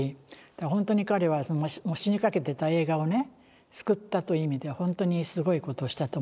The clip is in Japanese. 本当に彼は死にかけてた映画を救ったという意味では本当にすごいことをしたと思います。